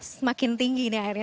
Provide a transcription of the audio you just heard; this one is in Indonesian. semakin tinggi ini airnya